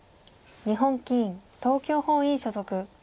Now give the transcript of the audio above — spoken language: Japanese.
日本棋院東京本院所属。